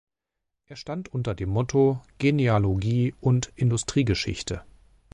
Er stand unter dem Motto: "Genealogie und Industriegeschichte".